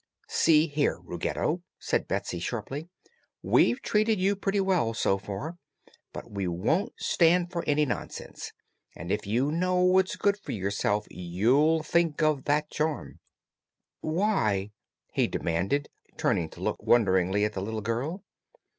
"See here, Ruggedo," said Betsy, sharply, "we've treated you pretty well, so far, but we won't stand for any nonsense, and if you know what's good for yourself you'll think of that charm!" "Why?" he demanded, turning to look wonderingly at the little girl.